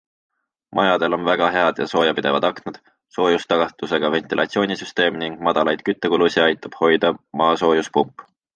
Majadel on väga head ja soojapidavad aknad, soojustagastusega ventilatsioonisüsteem ning madalaid küttekulusid aitab hoida maasoojuspump.